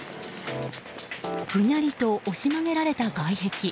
ぐにゃりと押し曲げられた外壁。